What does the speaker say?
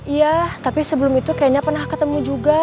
iya tapi sebelum itu kayaknya pernah ketemu juga